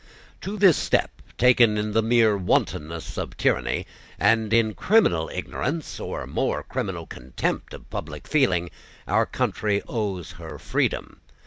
To this step, taken in the mere wantonness of tyranny, and in criminal ignorance or more criminal contempt of public feeling, our country owes her freedom.